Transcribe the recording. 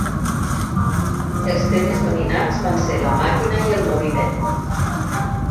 Els temes dominants van ser la màquina i el moviment.